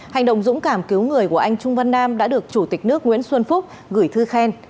hành động dũng cảm cứu người của anh trung văn nam đã được chủ tịch nước nguyễn xuân phúc gửi thư khen